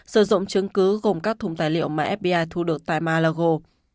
sử dụng chứng cứ gồm các thùng tài liệu mà fpa thu được tại malago